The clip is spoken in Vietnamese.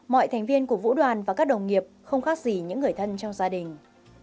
mọi thành viên của vũ đoàn và các đồng nghiệp không khác gì những người thân trong gia đình